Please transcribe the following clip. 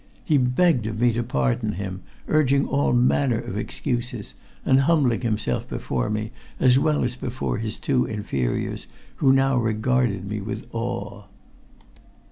He begged of me to pardon him, urging all manner of excuses, and humbling himself before me as well as before his two inferiors, who now regarded me with awe.